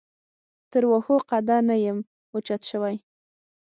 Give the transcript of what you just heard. تر واښو قده نه یم اوچت شوی.